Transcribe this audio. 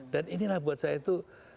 dan inilah buat saya itu